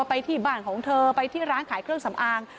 ไปที่บ้านของเธอไปที่ร้านขายเครื่องสำอาง